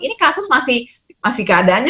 ini kasus masih keadaannya